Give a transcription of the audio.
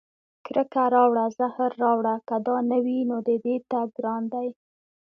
کرکه راوړه زهر راوړه که دا نه وي، نو د دې تګ ګران دی